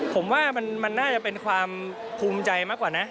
ผมว่ามันน่าจะเป็นความภูมิใจมากกว่านะ